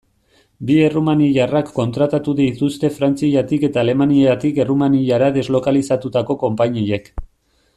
Bi errumaniarrak kontratatu dituzte Frantziatik eta Alemaniatik Errumaniara deslokalizatutako konpainiek.